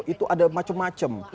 itu ada macam macam